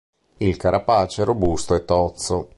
Il carapace è robusto e tozzo.